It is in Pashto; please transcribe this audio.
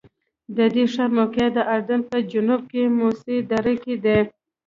د دې ښار موقعیت د اردن په جنوب کې موسی دره کې دی.